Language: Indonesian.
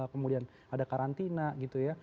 kemudian ada karantina gitu ya